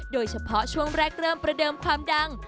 โดยเฉพาะช่วงแรกเริ่มประเดิมความดัง